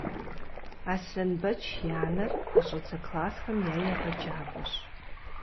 Аслъэнбэч и анэр пэщӏэдзэ классхэм я егъэджакӏуэщ.